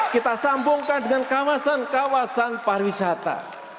kita sambungkan dengan kawasan kawasan pariwisata